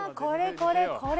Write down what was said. これこれ！